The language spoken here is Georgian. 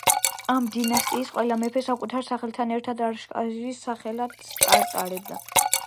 ამ დინასტიის ყველა მეფე საკუთარ სახელთან ერთად არშაკის სახელსაც ატარებდა.